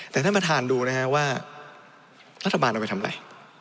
แต่ท่านประธานดูนะฮะว่ารัฐบาลเอาไปทำอะไร